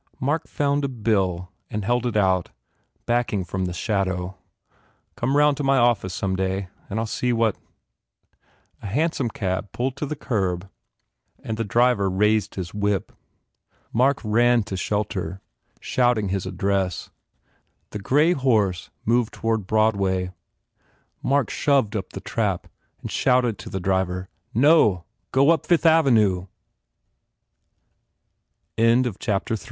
Mark found a bill and held it out, backing from the shadow. "Come round to my office some day and I ll see what " A hansom rolled to the curb and the driver raised his whip. Mark ran to shelter, crying his address. The grey horse moved toward Broad way. Mark shoved up the trap and shouted to the driver, "No! Go up Fifth Avenue!" 77 IV Penalties CORA